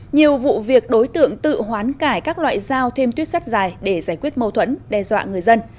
nhiều vụ việc đối tượng tự hoán cải các loại dao thêm tuyết sắt dài để giải quyết mâu thuẫn đe dọa người dân